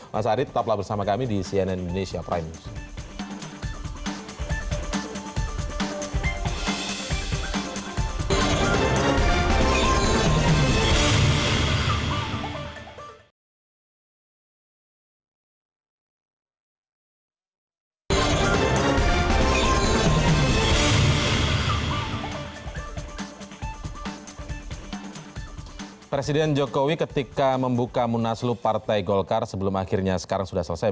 mas adi tetaplah bersama kami di cnn indonesia prime news